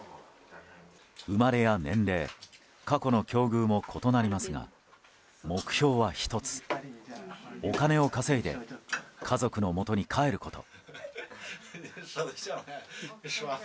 生まれや年齢過去の境遇も異なりますが目標は１つ、お金を稼いで家族のもとに帰ること。